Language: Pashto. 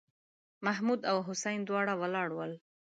محمـود او حسين دواړه ولاړ ول.